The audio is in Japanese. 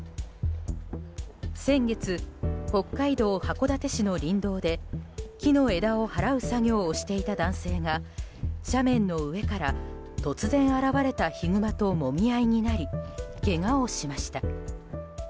先月、北海道函館市の林道で木の枝をはらう作業をしていた男性が斜面の上から突然現れたヒグマともみ合いになりけがをしました。